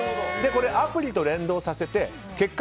アプリと連動させて。